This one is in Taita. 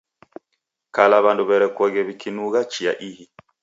Kala w'andu w'erekoghe w'ikinugha chia ihi